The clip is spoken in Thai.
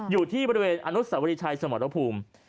อยู่ที่บริเวณอันนุษย์สวรรค์ดิชัยสมรภูมิ